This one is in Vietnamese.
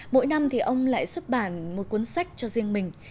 mỗi năm thì ông lại xuất bản một cuốn sách cho riêng mình